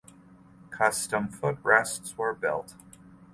Custom footrests were built.